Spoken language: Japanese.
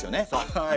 はい。